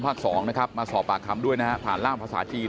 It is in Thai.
๒นะครับมาสอบปากคำด้วยนะฮะผ่านร่างภาษาจีน